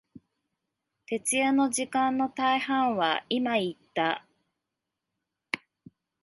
徹夜の時間の大半は、今言った、